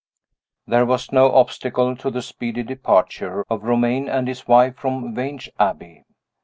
THERE was no obstacle to the speedy departure of Romayne and his wife from Vange Abbey.